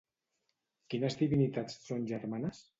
Quines divinitats són germanes?